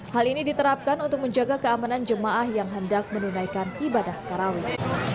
hal ini diterapkan untuk menjaga keamanan jemaah yang hendak menunaikan ibadah karawih